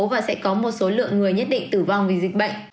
và sẽ có một số lượng người nhất định tử vong vì dịch bệnh